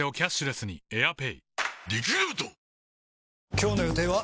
今日の予定は？